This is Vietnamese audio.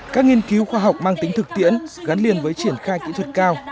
các nghiên cứu khoa học mang tính thực tiễn gắn liền với triển khai kỹ thuật cao